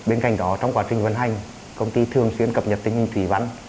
bên cạnh đó trong quá trình vận hành công ty thường xuyên cập nhật tính nguyên thủy văn